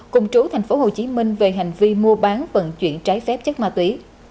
cùng trú thành phố hồ chí minh về hành vi mua bán vận chuyển trái phép chất ma túy